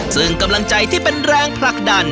ซึ่งกำลังใจที่เป็นแรงผลักดัน